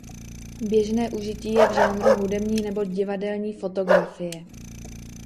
Běžné užití je v žánru hudební nebo divadelní fotografie.